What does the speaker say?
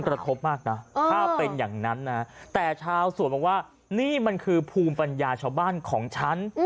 กระทบมากนะถ้าเป็นอย่างนั้นนะแต่ชาวสวนบอกว่านี่มันคือภูมิปัญญาชาวบ้านของฉัน